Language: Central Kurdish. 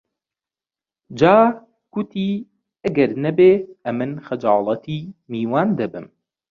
جا کوتی: ئەگەر نەبێ ئەمن خەجاڵەتی میوان دەبم